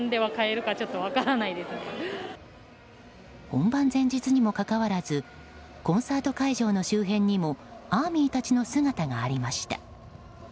本番前日にもかかわらずコンサート会場の周辺にもＡＲＭＹ達の姿がありました。